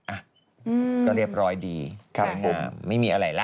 อ่ะก็เรียบร้อยดีครับผมไม่มีอะไรแล้ว